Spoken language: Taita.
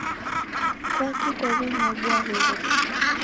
kwaki kwaw'eniobua huwo?